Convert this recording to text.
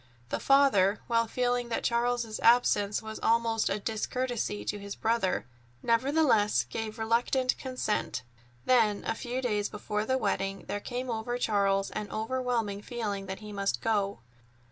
The father, while feeling that Charles's absence was almost a discourtesy to his brother, nevertheless gave reluctant consent. Then, a few days before the wedding, there came over Charles an overwhelming feeling that he must go.